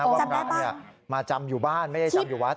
ว่าพระมาจำอยู่บ้านไม่ได้จำอยู่วัด